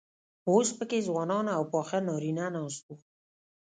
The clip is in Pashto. اوس پکې ځوانان او پاخه نارينه ناست وو.